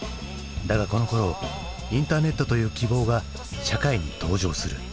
だがこのころインターネットという希望が社会に登場する。